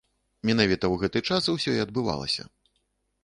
Менавіта ў гэты час усё і адбывалася.